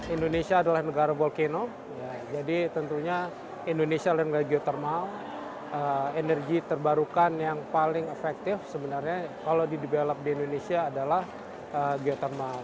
indonesia adalah negara volcano jadi tentunya indonesia lembaga geothermal energi terbarukan yang paling efektif sebenarnya kalau di develop di indonesia adalah geothermal